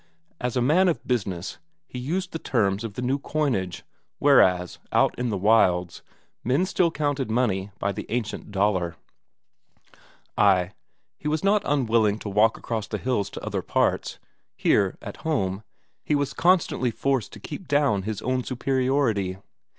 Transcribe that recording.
As a man of business, he used the terms of the new coinage, whereas, out in the wilds, men still counted money by the ancient Daler. Ay, he was not unwilling to walk across the hills to other parts; here, at home, he was constantly forced to keep down his own superiority.